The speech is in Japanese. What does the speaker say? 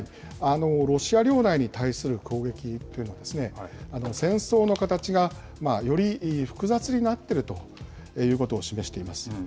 ロシア領内に対する攻撃というのは、戦争の形がより複雑になっているということを示しています。